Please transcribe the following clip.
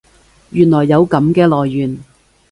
原來有噉嘅來源